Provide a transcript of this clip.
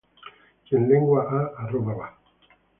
Quien lengua ha, a Roma va.